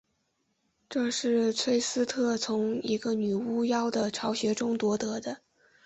这是崔斯特从一个女巫妖的巢穴中夺得的。